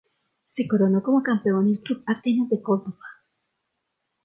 Se coronó como campeón el club Atenas de Córdoba.